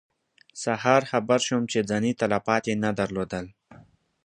سهار خبر شوم چې ځاني تلفات یې نه درلودل.